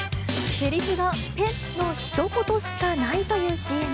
せりふが、ペッ！のひと言しかないというＣＭ。